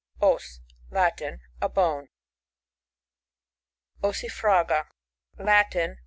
Os. — Latin. A bone. Ossifraga. — Latin.